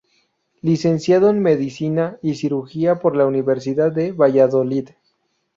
Licenciado en Medicina y Cirugía por la Universidad de Valladolid.